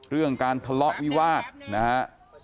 เรื่องการทะเลาะวิวาสนะฮะ